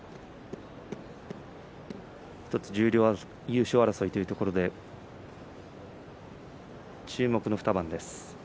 優勝争いというところで注目の２番です。